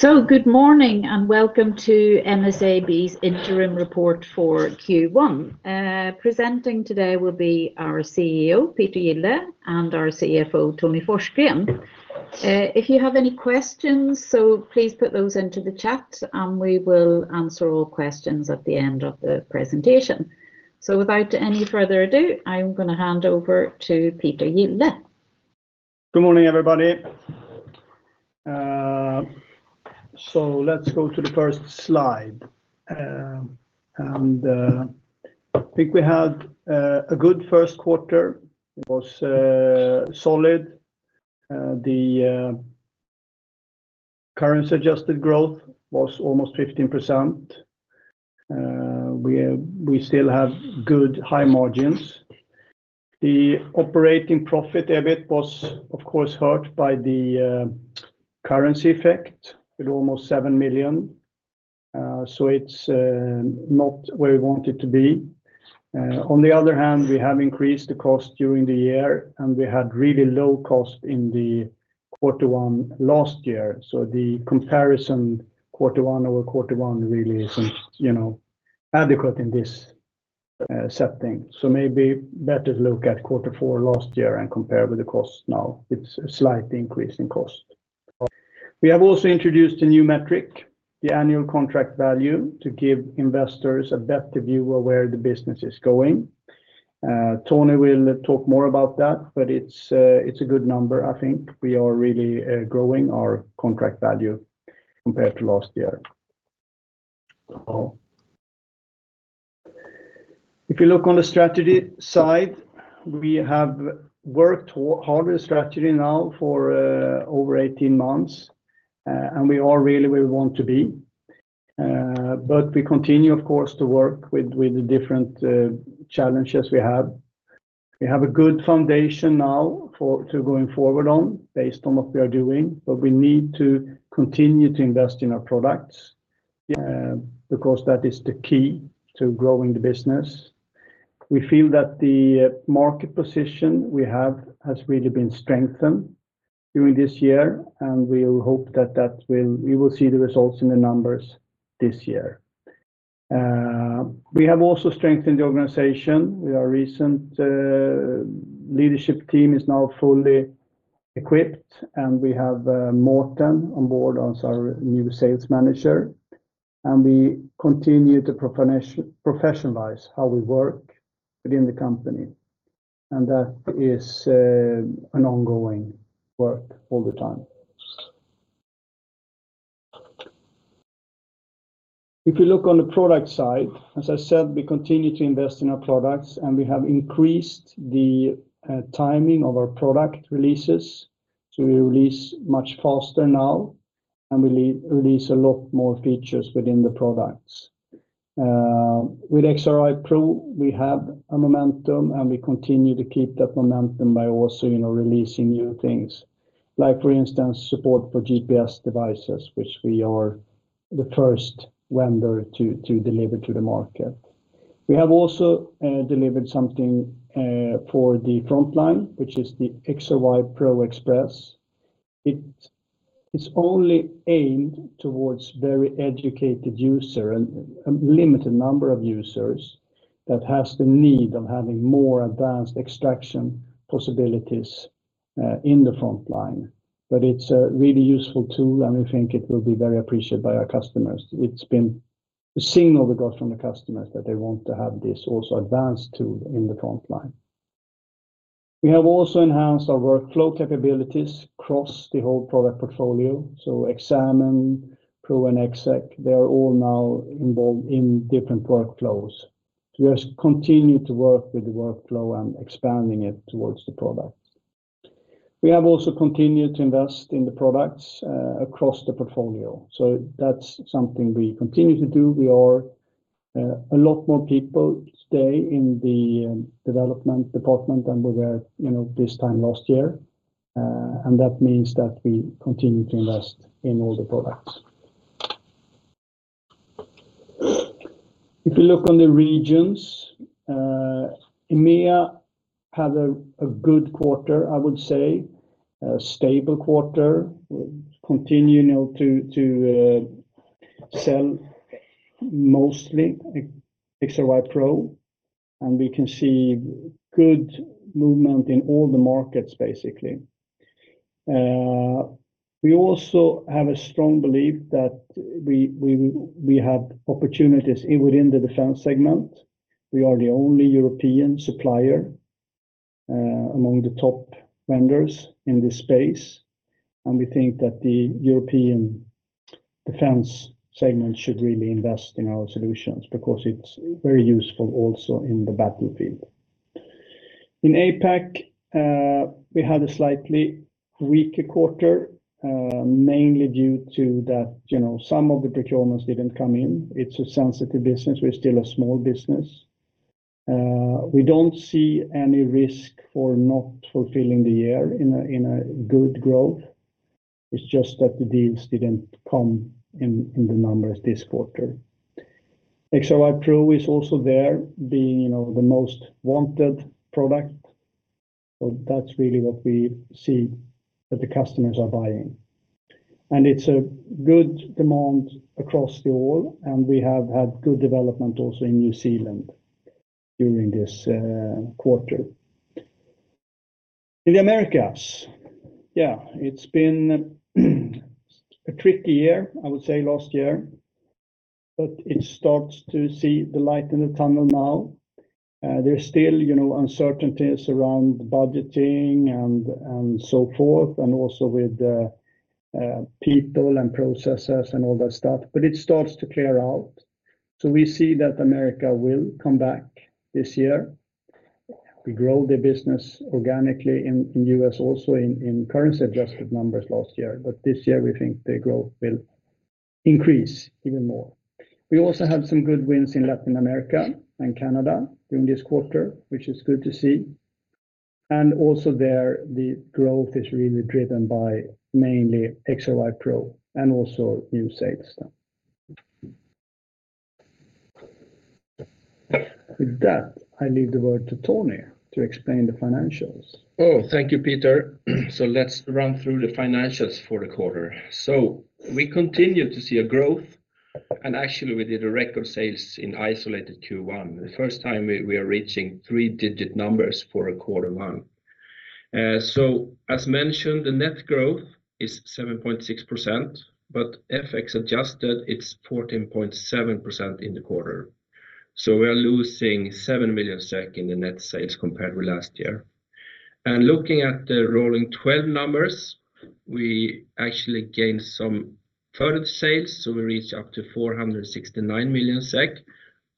Good morning and welcome to MSAB's interim report for Q1. Presenting today will be our CEO, Peter Gille, and our CFO, Tony Forsgren. If you have any questions, so please put those into the chat, and we will answer all questions at the end of the presentation. Without any further ado, I'm gonna hand over to Peter Gille. Good morning, everybody. Let's go to the first slide. I think we had a good first quarter. It was solid. The currency-adjusted growth was almost 15%. We still have good high margins. The operating profit EBIT was, of course, hurt by the currency effect with almost 7 million. It's not where we want it to be. On the other hand, we have increased the cost during the year, and we had really low cost in quarter one last year. The comparison quarter one over quarter one really isn't, you know, adequate in this setting. Maybe better look at quarter four last year and compare with the cost now. It's a slight increase in cost. We have also introduced a new metric, the annual contract value, to give investors a better view of where the business is going. Tony will talk more about that, but it's a good number, I think. We are really growing our contract value compared to last year. If you look on the strategy side, we have worked hard with strategy now for over 18 months, and we are really where we want to be. We continue, of course, to work with the different challenges we have. We have a good foundation now for going forward based on what we are doing, but we need to continue to invest in our products because that is the key to growing the business. We feel that the market position we have has really been strengthened during this year, and we hope that we will see the results in the numbers this year. We have also strengthened the organization. Our recent leadership team is now fully equipped, and we have Mårten Blixt on board as our new sales manager. We continue to professionalize how we work within the company, and that is an ongoing work all the time. If you look on the product side, as I said, we continue to invest in our products, and we have increased the timing of our product releases. We release much faster now, and we re-release a lot more features within the products. With XRY Pro, we have a momentum, and we continue to keep that momentum by also, you know, releasing new things. Like for instance, support for GPS devices, which we are the first vendor to deliver to the market. We have also delivered something for the frontline, which is the XRY Pro Express. It's only aimed towards very educated user and a limited number of users that has the need of having more advanced extraction possibilities in the frontline. But it's a really useful tool, and we think it will be very appreciated by our customers. It's been a signal we got from the customers that they want to have this also advanced tool in the frontline. We have also enhanced our workflow capabilities across the whole product portfolio. XAMN, Pro, and XEC, they are all now involved in different workflows. We just continue to work with the workflow and expanding it towards the products. We have also continued to invest in the products across the portfolio. That's something we continue to do. We are a lot more people today in the development department than we were, you know, this time last year. That means that we continue to invest in all the products. If you look on the regions, EMEA had a good quarter, I would say. A stable quarter. We continue, you know, to sell mostly XRY Pro, and we can see good movement in all the markets, basically. We also have a strong belief that we have opportunities within the defense segment. We are the only European supplier among the top vendors in this space, and we think that the European defense segment should really invest in our solutions because it's very useful also in the battlefield. In APAC, we had a slightly weaker quarter, mainly due to that, you know, some of the procurements didn't come in. It's a sensitive business. We're still a small business. We don't see any risk for not fulfilling the year in a good growth. It's just that the deals didn't come in the numbers this quarter. XRY Pro is also there being, you know, the most wanted product. That's really what we see that the customers are buying. It's a good demand across the board, and we have had good development also in New Zealand during this quarter. In the Americas, yeah, it's been a tricky year, I would say last year, but it starts to see the light in the tunnel now. There's still, you know, uncertainties around budgeting and so forth, and also with people and processes and all that stuff. It starts to clear out. We see that America will come back this year. We grow the business organically in U.S. also in currency adjusted numbers last year. This year we think the growth will increase even more. We also have some good wins in Latin America and Canada during this quarter, which is good to see. Also there, the growth is really driven by mainly XRY Pro and also new sales stuff. With that, I leave the word to Tony to explain the financials. Oh, thank you, Peter. Let's run through the financials for the quarter. We continue to see a growth, and actually we did a record sales in isolated Q1. The first time we are reaching three-digit numbers for a quarter one. As mentioned, the net growth is 7.6%, but FX adjusted, it's 14.7% in the quarter. We are losing 7 million SEK in the net sales compared with last year. Looking at the rolling 12 numbers, we actually gained some further sales, so we reached up to 469 million SEK,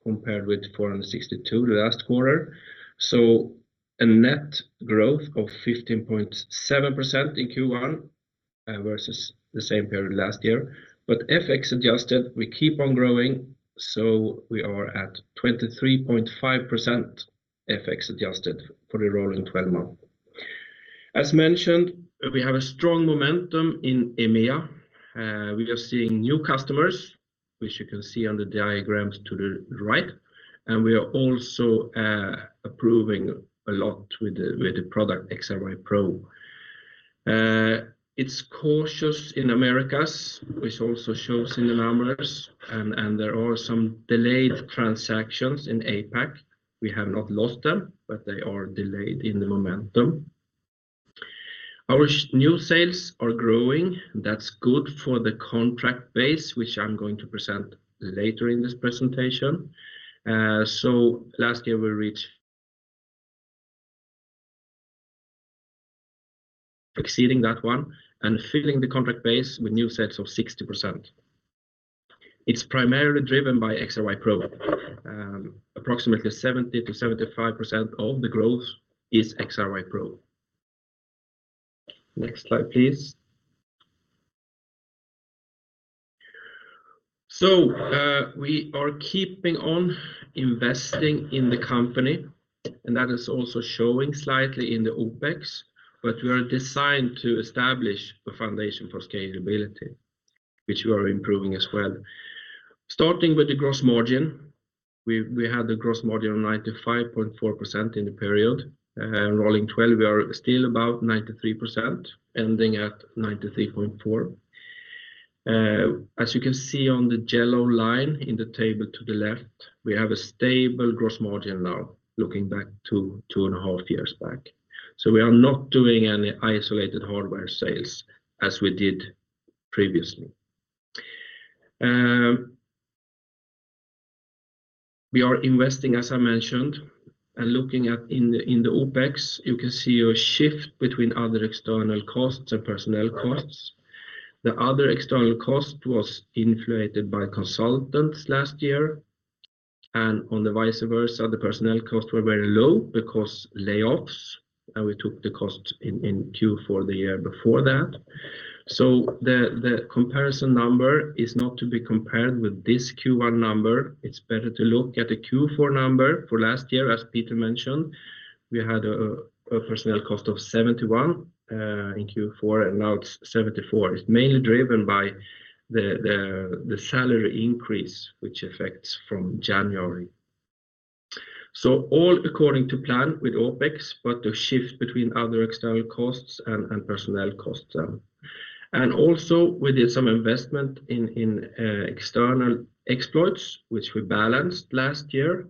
compared with 462 the last quarter. A net growth of 15.7% in Q1 versus the same period last year. FX adjusted, we keep on growing, so we are at 23.5% FX adjusted for the rolling 12 months. As mentioned, we have a strong momentum in EMEA. We are seeing new customers, which you can see on the diagrams to the right, and we are also approving a lot with the product XRY Pro. It's cautious in Americas, which also shows in the numbers, and there are some delayed transactions in APAC. We have not lost them, but they are delayed in the momentum. Our new sales are growing. That's good for the contract base, which I'm going to present later in this presentation. Last year we reached exceeding that one and filling the contract base with new sets of 60%. It's primarily driven by XRY Pro. Approximately 70%-75% of the growth is XRY Pro. Next slide, please. We are keeping on investing in the company, and that is also showing slightly in the OpEx, but we are designed to establish a foundation for scalability, which we are improving as well. Starting with the gross margin, we had the gross margin of 95.4% in the period. Rolling 12, we are still about 93%, ending at 93.4. As you can see on the yellow line in the table to the left, we have a stable gross margin now looking back 2.5 years. We are not doing any isolated hardware sales as we did previously. We are investing, as I mentioned. Looking at the OpEx, you can see a shift between other external costs and personnel costs. The other external cost was inflated by consultants last year. On the vice versa, the personnel costs were very low because layoffs, and we took the cost in Q4 the year before that. The comparison number is not to be compared with this Q1 number. It's better to look at the Q4 number for last year, as Peter mentioned. We had a personnel cost of 71 in Q4, and now it's 74. It's mainly driven by the salary increase which affects from January. All according to plan with OpEx, but a shift between other external costs and personnel costs then. Also, we did some investment in external exploits, which we balanced last year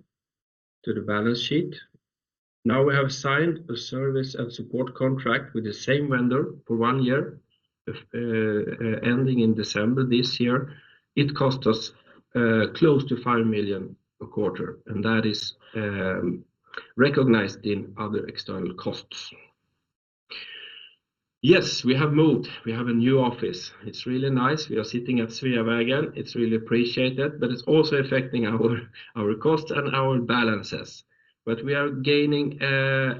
to the balance sheet. Now we have signed a service and support contract with the same vendor for one year, ending in December this year. It cost us close to 5 million a quarter, and that is recognized in other external costs. Yes, we have moved. We have a new office. It's really nice. We are sitting at Sveavägen. It's really appreciated, but it's also affecting our costs and our balances. But we are gaining a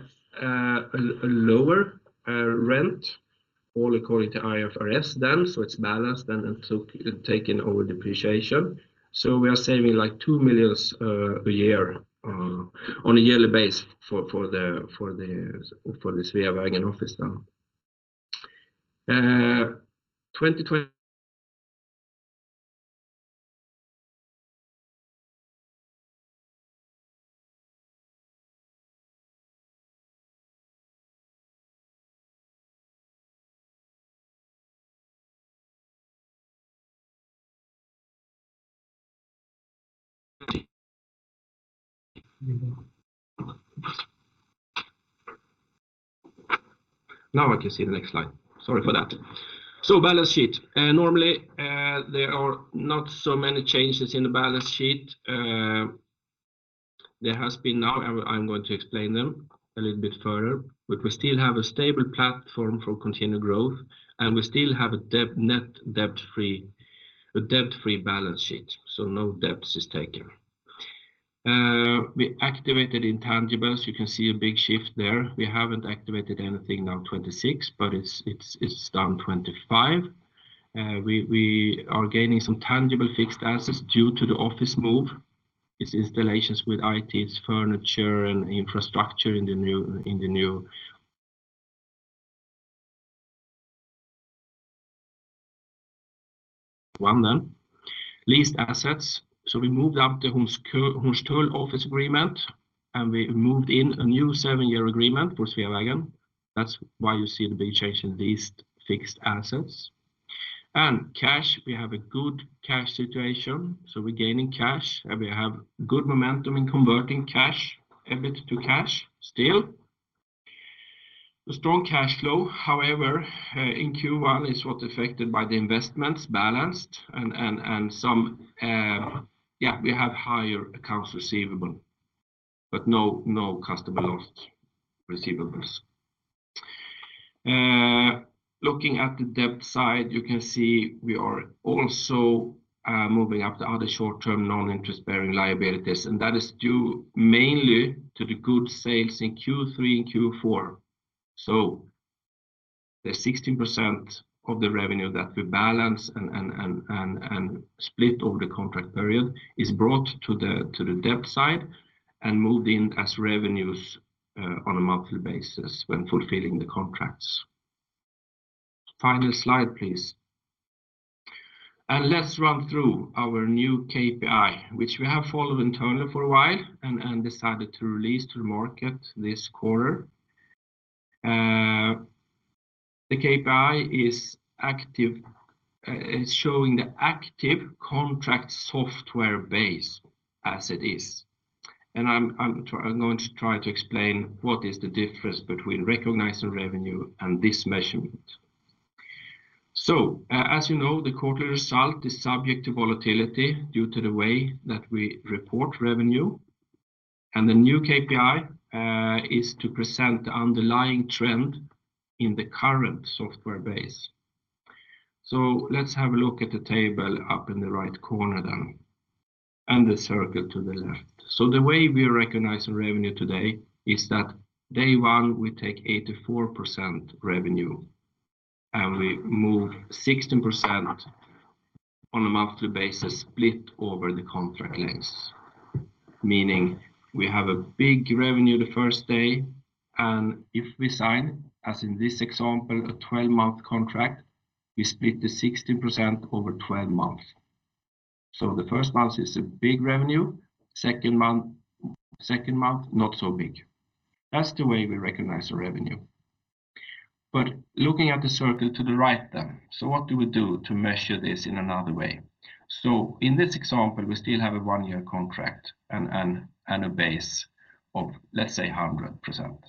lower rent, all according to IFRS then, so it's balanced and taken over depreciation. So we are saving, like, 2 million a year on a yearly basis for the Sveavägen office now. Now I can see the next slide. Sorry for that. Balance sheet. Normally, there are not so many changes in the balance sheet. There has been now. I'm going to explain them a little bit further, but we still have a stable platform for continued growth, and we still have a debt, net debt free, a debt-free balance sheet, so no debts is taken. We activated intangibles. You can see a big shift there. We haven't activated anything in 2026, but it's down 2025. We are gaining some tangible fixed assets due to the office move. It's installations with IT, furniture and infrastructure in the new one then. Leased assets. We moved out the Hornstull office agreement, and we moved in a new seven-year agreement for Sveavägen. That's why you see the big change in leased fixed assets. Cash, we have a good cash situation, so we're gaining cash, and we have good momentum in converting EBIT to cash, still. A strong cash flow, however, in Q1 is what affected by the investments balanced and some, we have higher accounts receivable, but no customer loss receivables. Looking at the debt side, you can see we are also moving up the other short-term non-interest-bearing liabilities, and that is due mainly to the good sales in Q3 and Q4. The 16% of the revenue that we balance and split over the contract period is brought to the debt side and moved in as revenues on a monthly basis when fulfilling the contracts. Final slide, please. Let's run through our new KPI, which we have followed internally for a while and decided to release to the market this quarter. The KPI is active, is showing the active contract software base as it is. I'm going to try to explain what is the difference between recognizing revenue and this measurement. As you know, the quarterly result is subject to volatility due to the way that we report revenue. The new KPI is to present the underlying trend in the current software base. Let's have a look at the table up in the right corner then, and the circle to the left. The way we recognize the revenue today is that day one, we take 84% revenue, and we move 16% on a monthly basis split over the contract length. Meaning we have a big revenue the first day, and if we sign, as in this example, a 12-month contract, we split the 16% over 12 months. The first month is a big revenue, second month, not so big. That's the way we recognize the revenue. Looking at the circle to the right then, so what do we do to measure this in another way? In this example, we still have a one-year contract and a base of, let's say, 100%.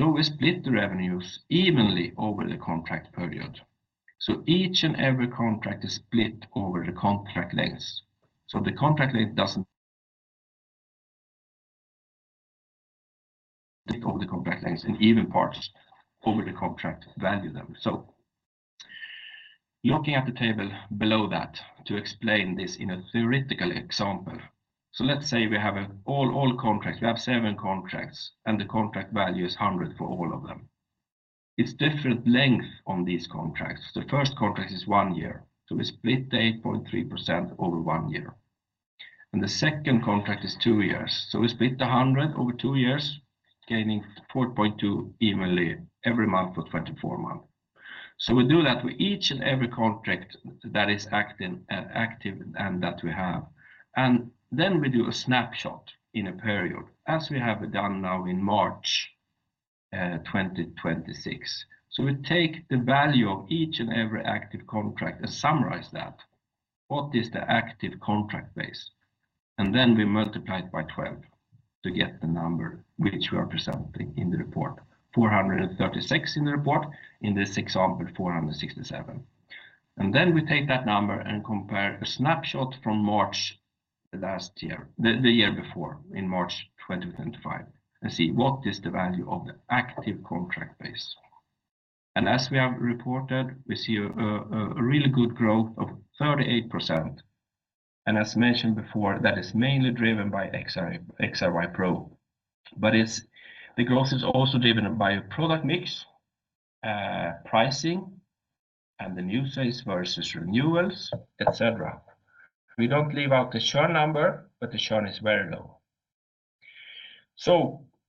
We split the revenues evenly over the contract period. Each and every contract is split over the contract length. All the contract lengths in even parts over the contract value then. Looking at the table below that to explain this in a theoretical example. Let's say we have all contracts, we have seven contracts, and the contract value is 100 for all of them. It's different length on these contracts. The first contract is one year, so we split the 8.3% over one year. The second contract is two years. We split the 100 over two years, gaining 4.2 evenly every month for 24 months. We do that with each and every contract that is active and that we have. Then we do a snapshot in a period, as we have done now in March 2026. We take the value of each and every active contract and summarize that. What is the active contract base? Then we multiply it by 12 to get the number which we are presenting in the report. 436 in the report, in this example, 467. We take that number and compare a snapshot from March last year, the year before, in March 2025, and see what is the value of the active contract base. As we have reported, we see a really good growth of 38%. As mentioned before, that is mainly driven by XRY Pro. The growth is also driven by a product mix, pricing, and the new sales versus renewals, et cetera. We don't leave out the churn number, but the churn is very low.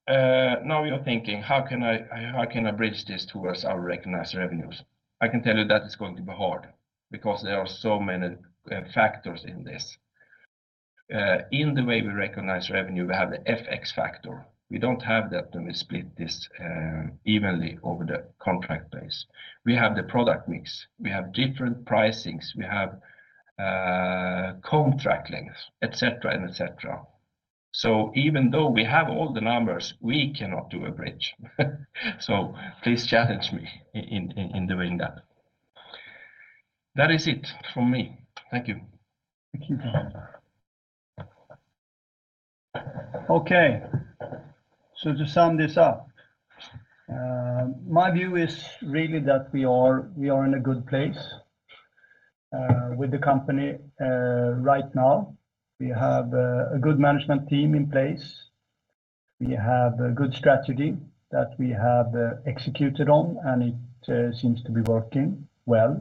Now you're thinking, "How can I bridge this towards our recognized revenues?" I can tell you that is going to be hard because there are so many factors in this. In the way we recognize revenue, we have the FX factor. We don't have that when we split this evenly over the contract base. We have the product mix, we have different pricings, we have contract length, et cetera, et cetera. Even though we have all the numbers, we cannot do a bridge. Please challenge me in doing that. That is it from me. Thank you. Thank you. Okay, to sum this up, my view is really that we are in a good place with the company. Right now, we have a good management team in place. We have a good strategy that we have executed on, and it seems to be working well.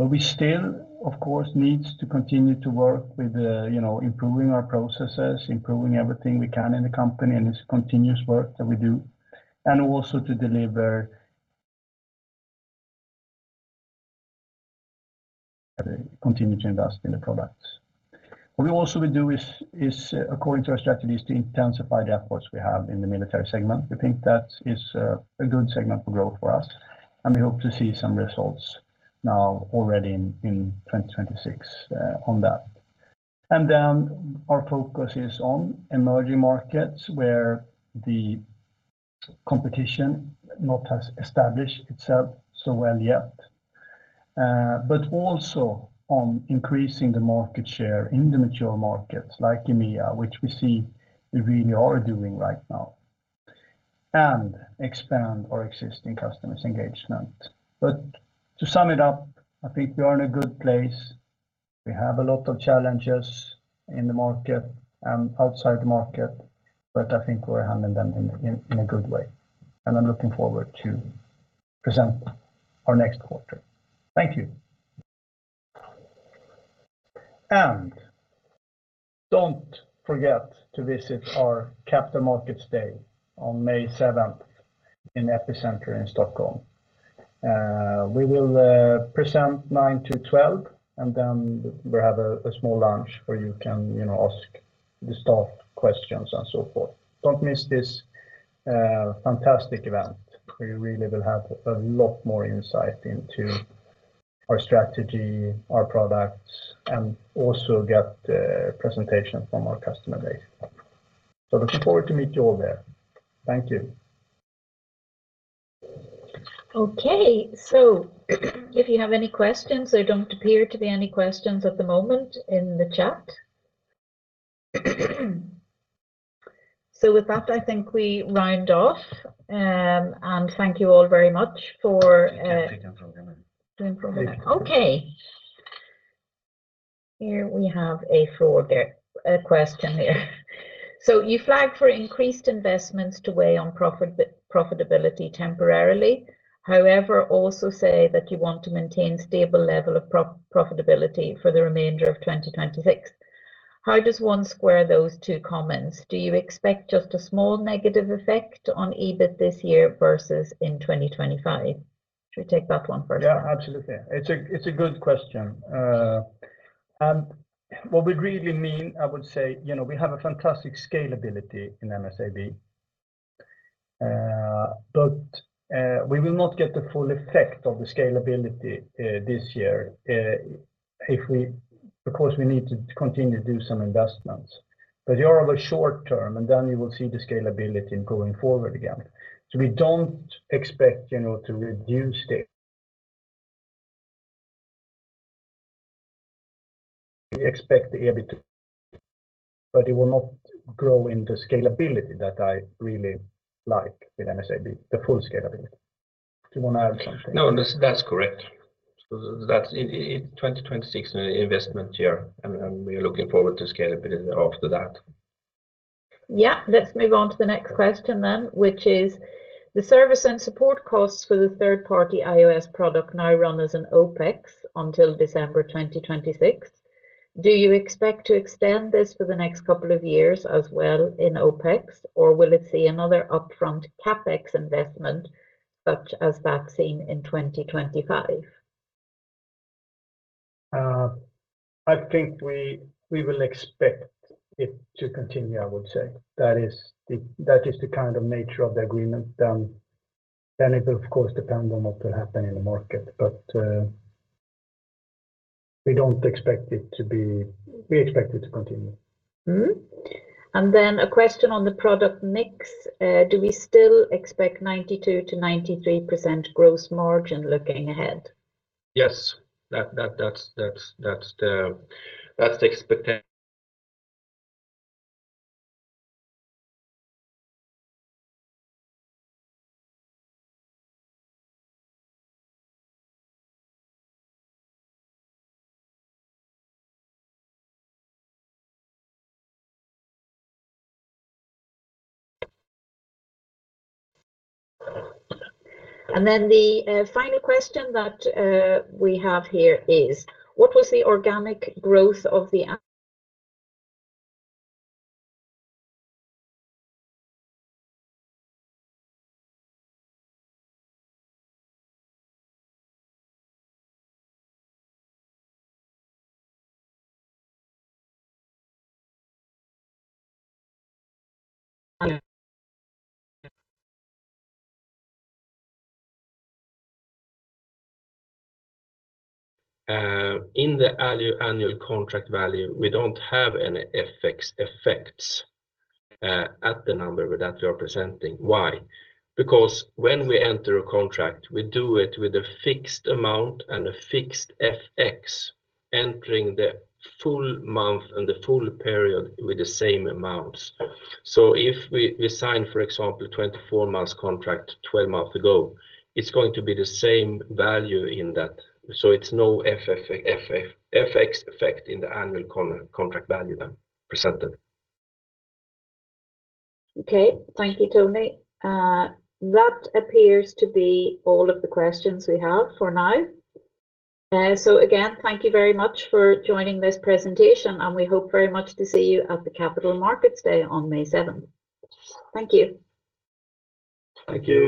We still, of course, need to continue to work with you know, improving our processes, improving everything we can in the company, and it's continuous work that we do, and also to continue to invest in the products. What we also will do is according to our strategy to intensify the efforts we have in the military segment. We think that is a good segment for growth for us, and we hope to see some results now already in 2026 on that. Our focus is on emerging markets where the competition has not established itself so well yet, but also on increasing the market share in the mature markets like EMEA, which we see we really are doing right now, and expand our existing customers' engagement. To sum it up, I think we are in a good place. We have a lot of challenges in the market and outside the market, but I think we're handling them in a good way, and I'm looking forward to present our next quarter. Thank you. Don't forget to visit our Capital Markets Day on May 7 in Epicenter in Stockholm. We will present 9:00 A.M. to 12:00 P.M., and then we'll have a small lunch where you can, you know, ask the staff questions and so forth. Don't miss this fantastic event. We really will have a lot more insight into our strategy, our products, and also get a presentation from our customer base. Looking forward to meet you all there. Thank you. Okay. If you have any questions, there don't appear to be any questions at the moment in the chat. With that, I think we round off, and thank you all very much for. You can take them from there. Take from there? Okay. Here we have a follow there, a question here. You flag for increased investments to weigh on profitability temporarily. However, also say that you want to maintain stable level of profitability for the remainder of 2026. How does one square those two comments? Do you expect just a small negative effect on EBIT this year versus in 2025? Should we take that one first? Yeah, absolutely. It's a good question. What we really mean, I would say, you know, we have a fantastic scalability in MSAB, but we will not get the full effect of the scalability this year because we need to continue to do some investments. Over the short term, you will see the scalability going forward again. We don't expect, you know, to reduce the EBIT. We expect the EBIT, but it will not grow with the scalability that I really like with MSAB, the full scalability. Do you wanna add something? No, that's correct. That's it. 2026 is an investment year, and we're looking forward to scalability after that. Yeah. Let's move on to the next question then, which is the service and support costs for the third-party iOS product now run as an OpEx until December 2026. Do you expect to extend this for the next couple of years as well in OpEx, or will it see another upfront CapEx investment such as that seen in 2025? I think we will expect it to continue, I would say. That is the kind of nature of the agreement done. It will, of course, depend on what will happen in the market. We don't expect it to be. We expect it to continue. A question on the product mix. Do we still expect 92%-93% gross margin looking ahead? Yes. That's the expectation. The final question that we have here is, what was the organic growth of the a... In the annual contract value, we don't have any FX effects at the number that we are presenting. Why? Because when we enter a contract, we do it with a fixed amount and a fixed FX entering the full month and the full period with the same amounts. If we sign, for example, 24 months contract 12 months ago, it's going to be the same value in that. It's no FX effect in the annual contract value then presented. Okay. Thank you, Tony. That appears to be all of the questions we have for now. Again, thank you very much for joining this presentation, and we hope very much to see you at the Capital Markets Day on May 7. Thank you. Thank you.